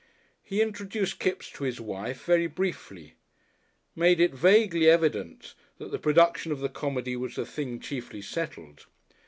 He introduced Kipps to his wife very briefly; made it vaguely evident that the production of the comedy was the thing chiefly settled.